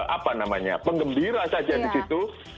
apa namanya penggembira saja di situ